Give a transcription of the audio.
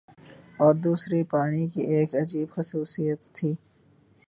اور دوسرا پانی کی ایک عجیب خاصیت تھی